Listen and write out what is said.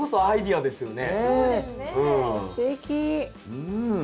うん！